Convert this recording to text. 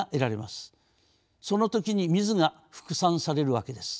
その時に水が副産されるわけです。